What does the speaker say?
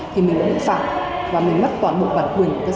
thì mình đã bị phạm và mình mất toàn bộ bản quyền của giải c một